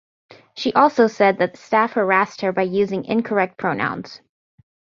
She also said that staff harassed her by using incorrect pronouns.